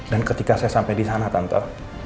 dan ketika saya sampai di sana tanta